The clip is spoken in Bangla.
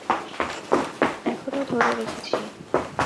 এখনও ধরে রেখেছি।